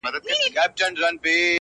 o گوره په ما باندي ده څومره خپه ـ